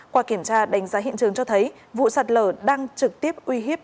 qua kiểm tra đánh giá hiện trường cho thấy vụ sạt lở đang trực tiếp uy hiếp